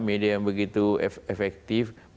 media yang begitu efektif